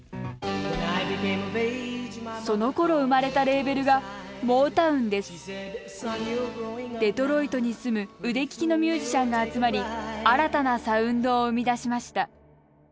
そのころ生まれたレーベルがデトロイトに住む腕利きのミュージシャンが集まり新たなサウンドを生み出しました